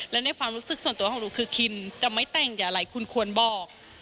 และในความรู้สึกส่วนตัวของหนูคือคินจะไม่แต่งอย่าอะไรคุณควรบอก